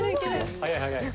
早い早い。